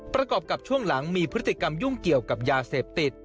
ประกอบกับช่วงหลังมีพฤติกรรมยุ่งเกี่ยวกับยาเสพติด